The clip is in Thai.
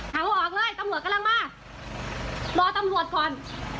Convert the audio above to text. เอาออกเลยตำรวจกำลังมารอตำรวจก่อน